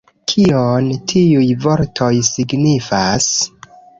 Kion tiuj vortoj signifas?